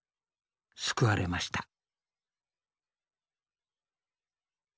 救われました。